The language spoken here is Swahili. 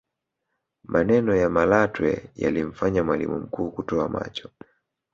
maneno ya malatwe yalimfanya mwalimu mkuu kutoa macho